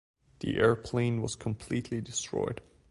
The airplane was completely destroyed.